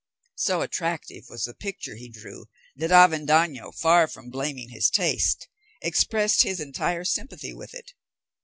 So attractive was the picture he drew, that Avendaño, far from blaming his taste, expressed his entire sympathy with it.